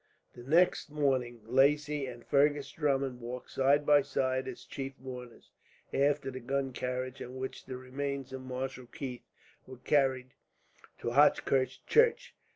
The next morning, Lacy and Fergus Drummond walked side by side, as chief mourners, after the gun carriage on which the remains of Marshal Keith were carried to Hochkirch church.